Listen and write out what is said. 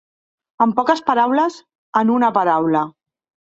En poques paraules, en una paraula.